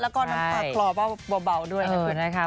แล้วก็คลอเบาด้วยนะเพื่อน